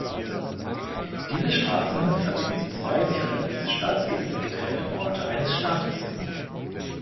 Diese Straßen verbinden zwei durch fremdes Staatsgebiet getrennte Orte eines Staates.